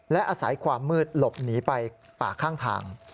และอาศัยความมืดหลบหนีไปป่าข้างทาง